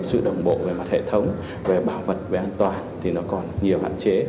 sự đồng bộ về mặt hệ thống về bảo mật về an toàn thì nó còn nhiều hạn chế